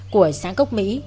của sáng cốc mỹ